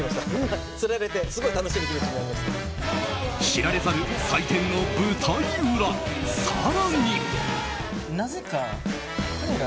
知られざる祭典の舞台裏。